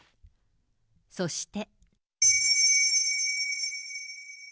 そして。